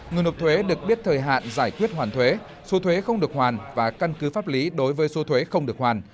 người nộp thuế được biết thời hạn giải quyết hoàn thuế số thuế không được hoàn và căn cứ pháp lý đối với số thuế không được hoàn